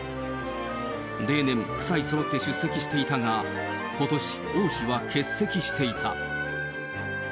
例年、夫妻そろって出席していたが、ことし、王妃は欠席していた。